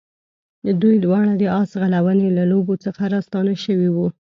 دوی دواړه د آس ځغلونې له لوبو څخه راستانه شوي وو.